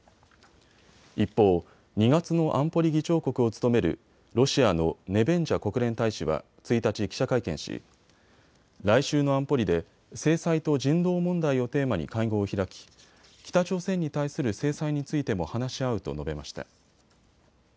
一方、２月の安保理議長国を務めるロシアのネベンジャ国連大使は１日、記者会見し来週の安保理で制裁と人道問題をテーマに会合を開き北朝鮮に対する制裁についても話し合うと述べました。